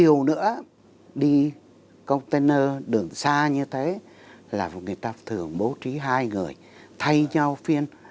điều nữa đi container đường xa như thế là người ta thường bố trí hai người thay nhau phiên